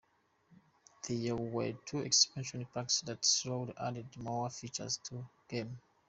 There were two expansion packs that slowly added more features to the game.